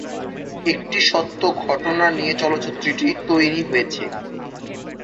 একটি সত্য ঘটনা নিয়ে চলচ্চিত্রটি তৈরি হয়েছে।